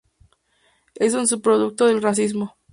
Es un sub-producto del racismo.